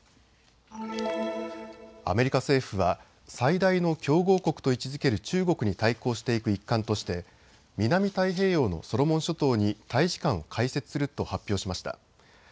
アメリカ政府は最大の競合国と位置づける中国に対抗していく一環として南太平洋のソロモン諸島に大使館を開設すると発表しました。